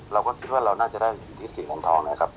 เราก็คิดว่าเราน่าจะได้อยู่ที่๔เหรียญทองนะครับ